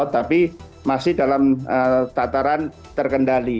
tapi masih dalam tataran terkendali